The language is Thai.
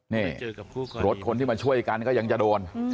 นี่รถคนที่มาช่วยกันก็ยังจะโดน